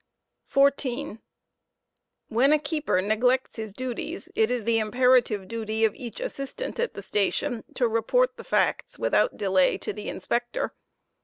Negioot of 14. When a keeper neglects his duties, it is the imperative duty of each assistant ilStstonte °to p r£ at the station to report the facts, without delay, to the Inspector.